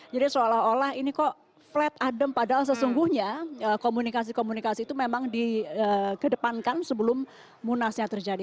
jadi seolah olah ini kok flat adem padahal sesungguhnya komunikasi komunikasi itu memang dikedepankan sebelum munasnya terjadi